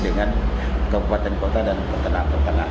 dengan kabupaten kota dan peternak peternak